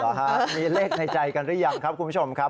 มีเลขในใจกันหรือยังครับคุณผู้ชมครับ